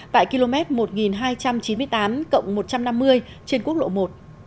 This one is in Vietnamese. tại km một nghìn hai trăm chín mươi tám cộng một trăm năm mươi trên quốc lộ một